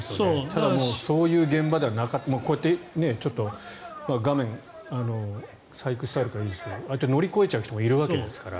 ただ、そういう現場ではなかった画面細工してあるからいいですけど乗り越えちゃう人もいるわけですから。